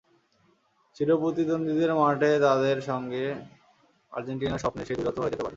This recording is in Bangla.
চিরপ্রতিদ্বন্দ্বীদের মাঠে তাদের সঙ্গে আর্জেন্টিনার স্বপ্নের সেই দ্বৈরথও হয়ে যেতে পারে।